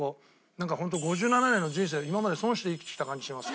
なんかホント５７年の人生今まで損して生きてきた感じします